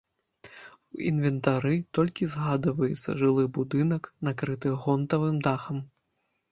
У інвентары толькі згадваецца жылы будынак, накрыты гонтавым дахам.